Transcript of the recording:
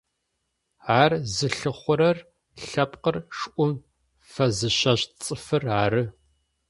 Ар зылъыхъурэр лъэпкъыр шӏум фэзыщэщт цӏыфыр ары.